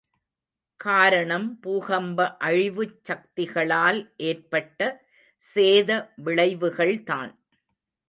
காரணம் பூகம்ப அழிவுச் சக்திகளால் ஏற்பட்ட சேத விளைவுகள் தான்.